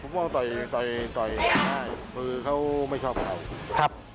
มุมมองต่อยต่อยง่ายก็คือเขาไม่ชอบเภ้า